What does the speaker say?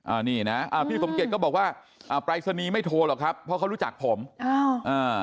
อันนี้นะอ่าพี่สมเกียจก็บอกว่าอ่าปรายศนีย์ไม่โทรหรอกครับเพราะเขารู้จักผมอ้าวอ่า